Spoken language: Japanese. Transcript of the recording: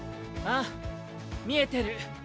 ああ見えてる。